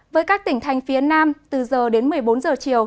với các tỉnh thành phía nam từ giờ đến một mươi bốn giờ chiều